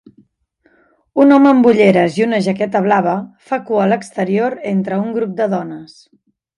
Un home amb ulleres i una jaqueta blava fa cua al exterior entre un grup de dones